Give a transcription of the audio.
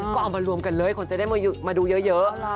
ก็เอามารวมกันเลยคนจะได้มาดูเยอะ